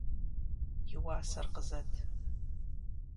И уасэр къызэт.